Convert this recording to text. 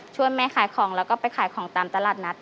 แม่ขายของแล้วก็ไปขายของตามตลาดนัด